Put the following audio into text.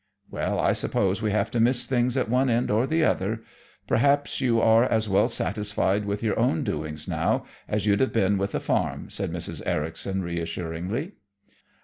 "Well, I suppose we have to miss things at one end or the other. Perhaps you are as well satisfied with your own doings, now, as you'd have been with a farm," said Mrs. Ericson reassuringly.